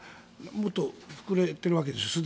もっと売れているわけです。